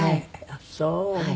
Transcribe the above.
あっそう。